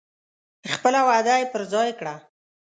خپله وعده یې پر ځای کړه.